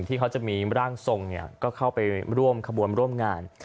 ที่เขาจะมีร่างทรงก็เข้าไปร่วมขบวนร่วมงาน